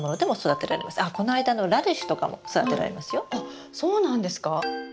あっそうなんですか？